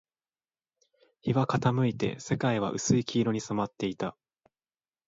日は傾いて、世界は薄い黄色に染まっていた